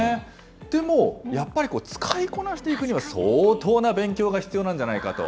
でも、やっぱり使いこなしていくには相当な勉強が必要なんじゃないかと